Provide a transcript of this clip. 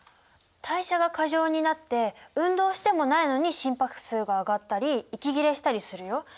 代謝が過剰になって運動してもないのに心拍数が上がったり息切れしたりするよ。